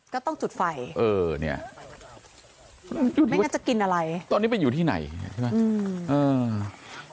ก็ต้องจุดไฟเออเนี่ยไม่งั้นจะกินอะไรตอนนี้ไปอยู่ที่ไหนใช่ไหม